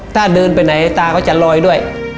ถ้าเดินไปไหนตาก็จะลอยด้วย